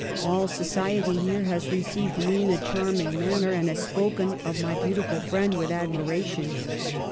All society here has received me in a charming manner, and has spoken of my beau tiful friend with admiration.